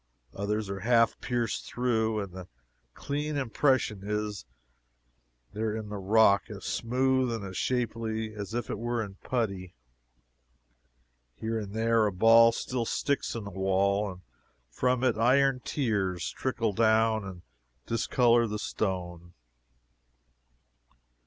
Others are half pierced through, and the clean impression is there in the rock, as smooth and as shapely as if it were done in putty. Here and there a ball still sticks in a wall, and from it iron tears trickle down and discolor the stone.